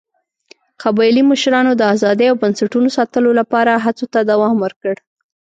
قبایلي مشرانو د ازادۍ او بنسټونو ساتلو لپاره هڅو ته دوام ورکړ.